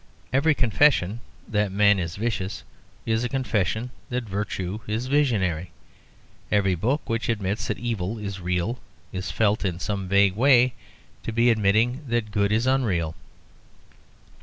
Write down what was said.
Every confession that man is vicious is a confession that virtue is visionary. Every book which admits that evil is real is felt in some vague way to be admitting that good is unreal.